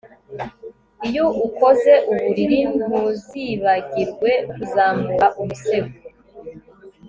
iyo ukoze uburiri, ntuzibagirwe kuzamura umusego